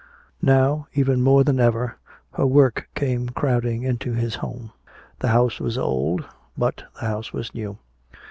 Now even more than ever before, her work came crowding into his home. The house was old, but the house was new.